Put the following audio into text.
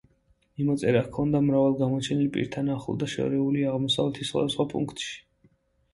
მიმოწერა ჰქონდა მრავალ გამოჩენილ პირთან ახლო და შორეული აღმოსავლეთის სხვადასხვა პუნქტში.